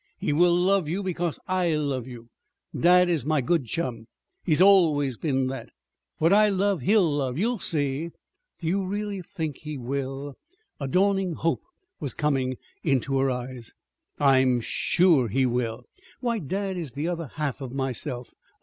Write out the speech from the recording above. "He will love you because I love you. Dad is my good chum he's always been that. What I love, he'll love. You'll see." "Do you think he really will?" A dawning hope was coming into her eyes. "I'm sure he will. Why, dad is the other half of myself.